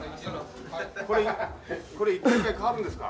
これ一回一回変わるんですか？